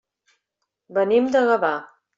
Venim de Gavà.